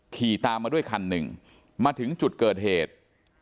ขี่ตามมาด้วยคันหนึ่งมาถึงจุดเกิดเหตุ